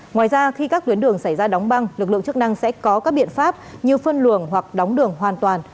ngoài ra khi các tuyến đường xảy ra đóng băng lực lượng chức năng sẽ có các biện pháp như phân luồng hoặc đóng đường hoàn toàn